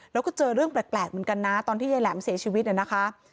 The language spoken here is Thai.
แล้วก็เจอเรื่องแปลกเหมือนกันนะตอนที่ยายแหลมเสียชีวิตเนี่ยนะคะ